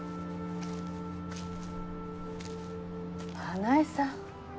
花絵さん。